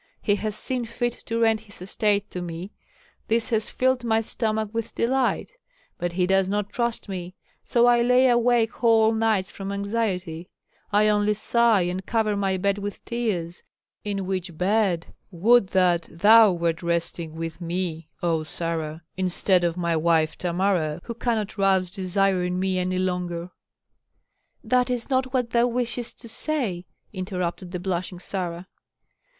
He has seen fit to rent his estate to me. This has filled my stomach with delight; but he does not trust me, so I lay awake whole nights from anxiety, I only sigh and cover my bed with tears, in which bed would that thou wert resting with me, O Sarah, instead of my wife Tamara, who cannot rouse desire in me any longer." "That is not what thou wishest to say," interrupted the blushing Sarah.